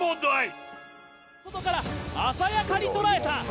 「外から鮮やかに捉えた」